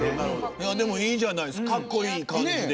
いやでもいいじゃないですかかっこいい感じで。